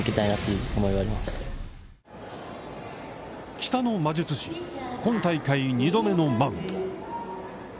北の魔術師、今大会２度目のマウンド。